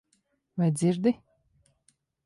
Vai dzirdi?